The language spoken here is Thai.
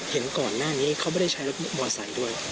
เห็นก่อนหน้านี้เขาไม่ได้ใช้รถมอไซค์ด้วย